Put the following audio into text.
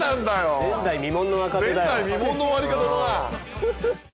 前代未聞の若手だよ。